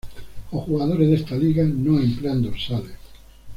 Los jugadores de esta liga no emplean dorsales.